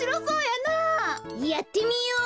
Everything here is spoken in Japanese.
やってみよう！